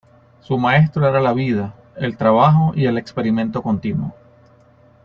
Su maestro era la vida, el trabajo y el experimento continuo.